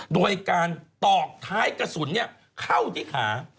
โดยการตอกท้ายกระสุนเข้าที่ขา